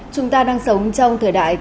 chúng ta đang sống trong một thế giới đặc biệt